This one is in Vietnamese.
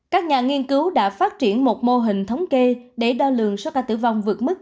các nhà nghiên cứu đã phát triển một mô hình thống kê để đo lường số ca tử vong vượt mức